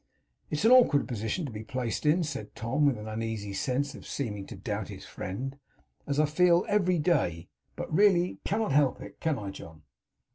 It's an awkward position to be placed in,' said Tom, with an uneasy sense of seeming to doubt his friend, 'as I feel every day; but I really cannot help it, can I, John?